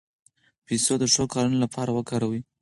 پیسې د ښو کارونو لپاره وکاروئ.